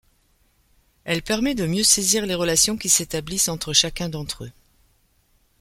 Elle permet de mieux saisir les relations qui s'établissent entre chacun d'entre eux.